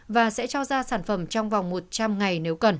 và sẽ cho ra sản phẩm trong vòng một trăm linh ngày